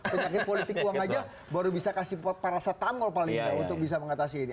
penyakit politik uang saja baru bisa kasih parasat tanggul paling baik untuk bisa mengatasi ini